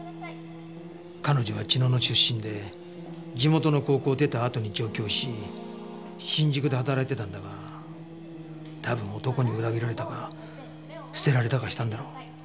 彼女は茅野の出身で地元の高校を出たあとに上京し新宿で働いてたんだが多分男に裏切られたか捨てられたかしたんだろう。